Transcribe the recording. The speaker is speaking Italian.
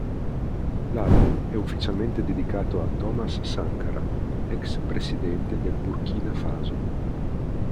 L'album è ufficialmente dedicato a Thomas Sankara, ex presidente del Burkina Faso.